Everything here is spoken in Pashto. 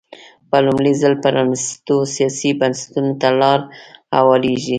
په لومړي ځل پرانېستو سیاسي بنسټونو ته لار هوارېږي.